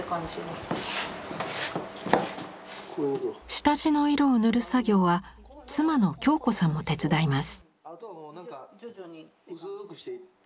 下地の色を塗る作業は妻の恭子さんも手伝います。